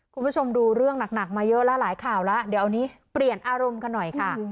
คุณผู้ชมดูเรื่องหนักมาเยอะแล้วหลายข่าวแล้วเดี๋ยวอันนี้เปลี่ยนอารมณ์กันหน่อยค่ะ